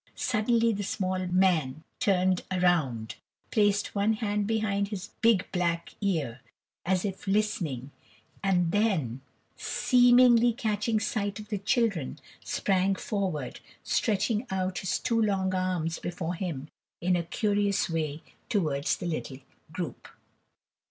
Suddenly the small man turned round, placed one hand behind his big black ear, as if listening, and then, seemingly catching sight of the children, sprang forward, stretching out his two long arms before him in a curious way towards the little group.